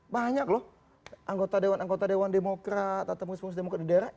banyak loh anggota dewan anggota dewan demokrat atau musmus demokrat di daerah